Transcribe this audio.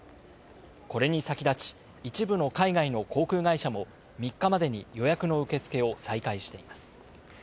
これに先立ち、一部の海外の航空会社も３日までに予約の受け付けを再開しています。